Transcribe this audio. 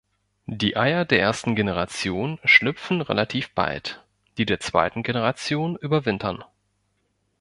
Die Eier der ersten Generation schlüpfen relativ bald, die der zweiten Generation überwintern.